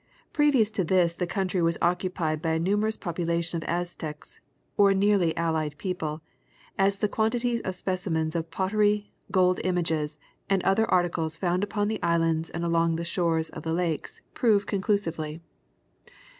Previous to this the country was occupied by a numerous population of Aztecs, or nearly allied people, as the quan tities of specimens of pottery, gold images, and other articles found upon the islands and along the shores of the lakes, prove conclusively.